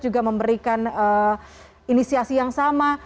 juga memberikan inisiasi yang sama